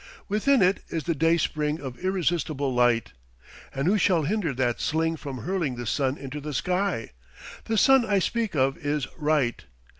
Within it is the day spring of irresistible light. And who shall hinder that sling from hurling the sun into the sky? The sun I speak of is Right.